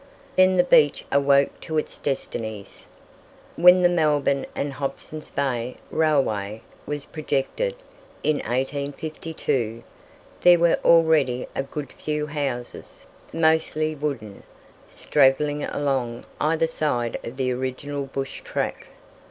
Then The Beach awoke to its destinies. When the Melbourne and Hobson's Bay railway was projected, in 1852, there were already a good few houses, mostly wooden, straggling along either side of the original bush track.